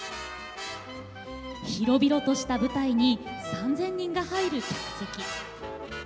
広々とした舞台に３０００人が入る客席。